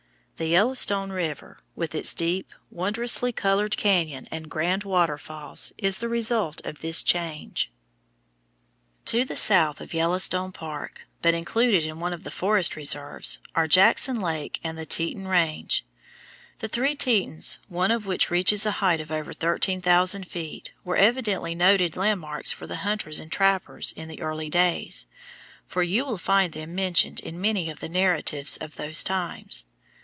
The Yellowstone River, with its deep, wondrously colored cañon and grand waterfalls, is the result of this change. [Illustration: FIG. 132. ECONOMIC GEYSER, YELLOWSTONE PARK] To the south of Yellowstone Park, but included in one of the forest reserves, are Jackson Lake and the Teton range. The Three Tetons, one of which reaches a height of over thirteen thousand feet, were evidently noted landmarks for the hunters and trappers in the early days, for you will find them mentioned in many of the narratives of those times.